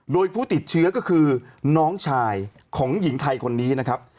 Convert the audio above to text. โดยผู้ติดเชื้อก็คือน้องชายของหญิงไทยคนนี้นะครับ